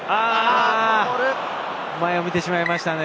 前を見てしまいましたね。